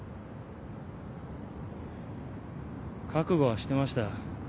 覚悟はしてました。